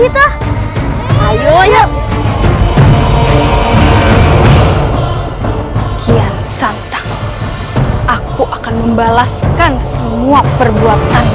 dan dia sangat cepat